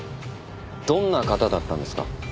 どんな方だったんですか？